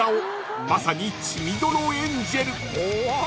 ［まさに血みどろエンジェル］